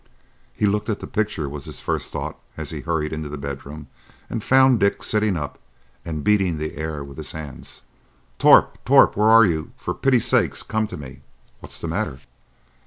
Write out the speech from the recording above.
"He's looked at the picture," was his first thought, as he hurried into the bedroom and found Dick sitting up and beating the air with his hands. "Torp! Torp! where are you? For pity's sake, come to me!" "What's the matter?"